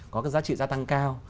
có cái giá trị gia tăng cao